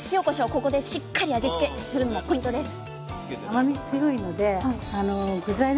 ここでしっかり味付けするのもポイントです